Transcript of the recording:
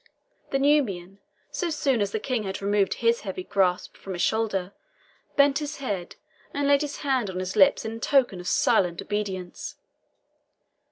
The Nubian, so soon as the King had removed his heavy grasp from his shoulder, bent his head, and laid his hand on his lips, in token of silent obedience.